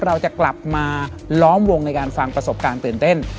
เราจะกลับมาล้อมวงในการฟังประสบการณ์ตื่นเต้น